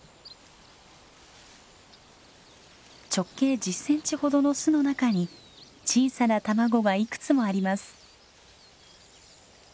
直径１０センチほどの巣の中に小さな卵がいくつもあります。